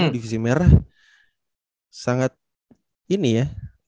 divisi merah sangat ini ya